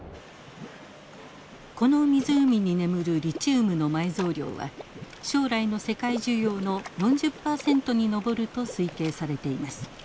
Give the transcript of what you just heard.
この湖に眠るリチウムの埋蔵量は将来の世界需要の４０％に上ると推計されています。